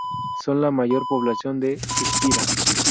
Son la mayor población de Spira.